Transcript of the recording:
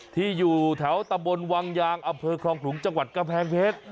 ที่อยู่แถวตะบนวังยางอำเภอคลองขลุงจังหวัดกำแพงเพชร